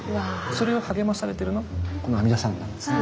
それを励まされてるのがこの阿弥陀様なんですね。